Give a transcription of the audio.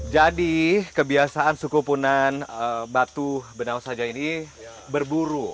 jadi kebiasaan suku punan batu benausaja ini berburu